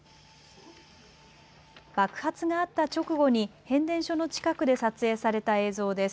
爆発があった直後に変電所の近くで撮影された映像です。